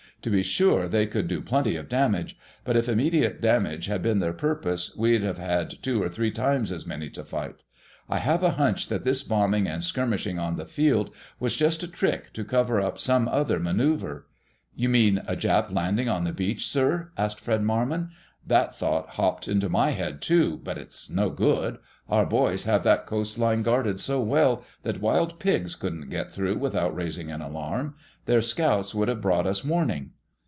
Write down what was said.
To be sure, they could do plenty of damage. But if immediate damage had been their purpose, we'd have had two or three times as many to fight. I have a hunch that this bombing and skirmishing on the field was just a trick to cover up some other maneuver." "You mean a Jap landing on the beach, sir?" asked Fred Marmon. "That thought hopped into my head, too—but it's no good. Our boys have that coastline guarded so well that wild pigs couldn't get through without raising an alarm. Their scouts would have brought us warning."